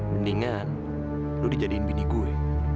mendingan lu dijadiin bini gue